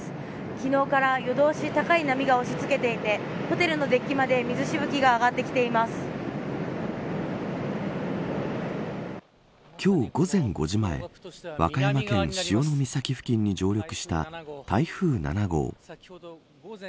昨日から夜通し高い波が押し付けていてホテルのデッキまで今日午前５時前和歌山県潮岬付近に上陸した台風７号。